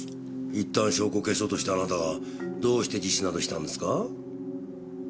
一旦証拠を消そうとしたあなたがどうして自首などしたんですか？